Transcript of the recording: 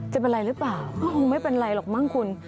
จะเป็นอะไรรึเปล่าไม่เป็นอะไรหรอกมั้งคุณ